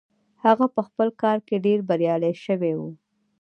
هغه په خپل کار کې ډېر بريالي شوی و.